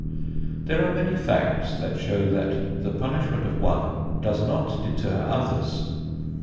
There are many facts that show that the punishment of one does not deter others.